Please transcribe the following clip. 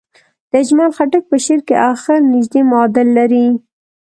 د اجمل خټک په شعر کې اخر نژدې معادل لري.